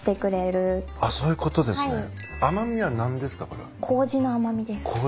こうじの甘味です。